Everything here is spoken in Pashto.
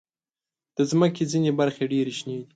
د مځکې ځینې برخې ډېر شنې دي.